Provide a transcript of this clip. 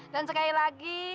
dan sekali lagi